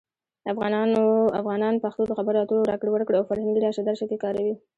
افغانان پښتو د خبرو اترو، راکړې ورکړې، او فرهنګي راشه درشه کې کاروي.